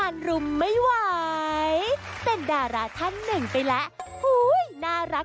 โอ้โฮคุณฮาเป็นอย่างไรแล้วนะ